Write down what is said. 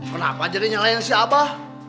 kenapa jadi nyalahin si abah